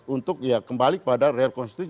untuk ya kembali pada real konstitusi